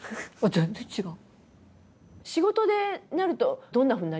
全然違う！